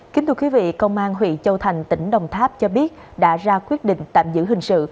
kính thưa quý vị công an huyện châu thành tỉnh đồng tháp cho biết đã ra quyết định tạm giữ hình sự